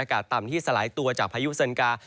อากาศต่ำที่สลายตัวจากพายุเซินกา